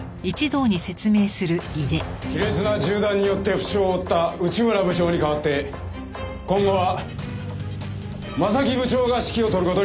卑劣な銃弾によって負傷を負った内村部長に代わって今後は正木部長が指揮を執る事になった。